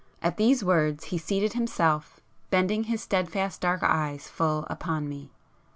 At these words, he seated himself, bending his steadfast dark eyes full upon me.